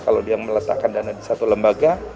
kalau dia meletakkan dana di satu lembaga